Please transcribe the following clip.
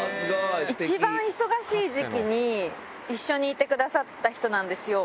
一番忙しい時期に、一緒にいてくださった人なんですよ。